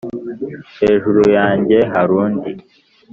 hejuru yanjye harundi